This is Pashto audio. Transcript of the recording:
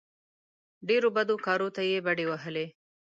ډېرو بدو کارو ته یې بډې وهلې.